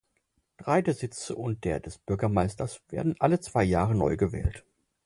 Drei der Sitze und der des Bürgermeisters werden alle zwei Jahre neu gewählt.